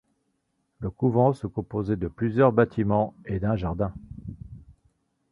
Le couvent se composait de plusieurs bâtiments et d’un jardin.